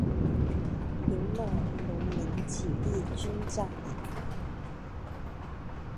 明末农民起义军将领。